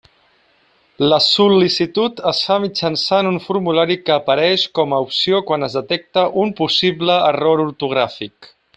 La sol·licitud es fa mitjançant un formulari que apareix com a opció quan es detecta un possible error ortogràfic.